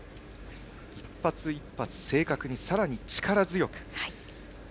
一発一発、正確にさらに、力強く。